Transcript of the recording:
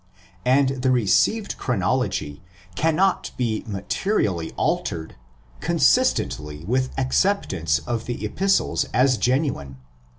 And the received chronology cannot be materially altered consistently with acceptance of the Epistles as genuine.